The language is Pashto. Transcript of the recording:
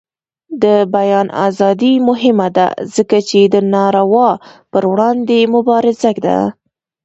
د بیان ازادي مهمه ده ځکه چې د ناروا پر وړاندې مبارزه ده.